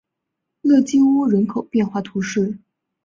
勒基乌人口变化图示